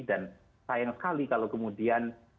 dan sayang sekali kalau kemudian